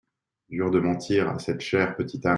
Dur de mentir à cette chère petite âme.